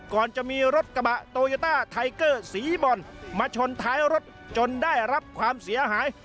ก่อนจะมีรถกระบะโตโยต้าไทเกอร์สีบ่อนมาชนท้ายรถจนได้รับความเสียหาย